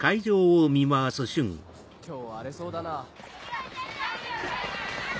今日は荒れそうだな。